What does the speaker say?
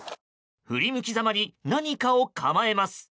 振り向きざまに何かを構えます。